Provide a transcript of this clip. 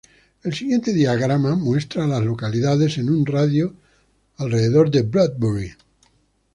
El siguiente diagrama muestra a las localidades en un radio de de Bradbury.